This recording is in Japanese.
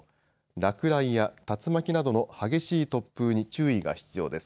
落雷や竜巻などの激しい突風に注意が必要です。